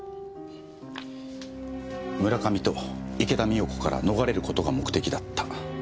村上と池田美代子から逃れることが目的だった。